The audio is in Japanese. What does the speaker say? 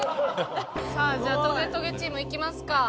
さあじゃあトゲトゲチームいきますか。